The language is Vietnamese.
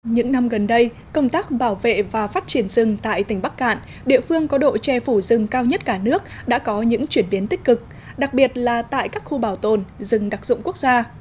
những năm gần đây công tác bảo vệ và phát triển rừng tại tỉnh bắc cạn địa phương có độ che phủ rừng cao nhất cả nước đã có những chuyển biến tích cực đặc biệt là tại các khu bảo tồn rừng đặc dụng quốc gia